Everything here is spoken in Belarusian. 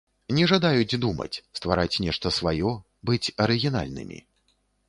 Не жадаюць думаць, ствараць нешта сваё, быць арыгінальнымі.